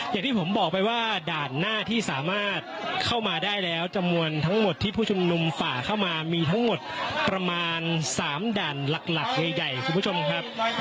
อย่างที่ผมบอกไปว่าด่านหน้าที่สามารถเข้ามาได้แล้วจำนวนทั้งหมดที่ผู้ชุมนุมฝ่าเข้ามามีทั้งหมดประมาณ๓ด่านหลักใหญ่คุณผู้ชมครับ